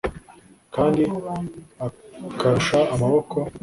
kandi akurusha amaboko,